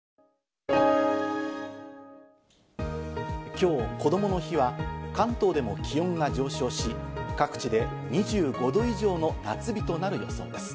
今日こどもの日は関東でも気温が上昇し、各地で２５度以上の夏日となる予想です。